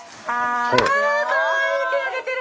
あかわいい手上げてる！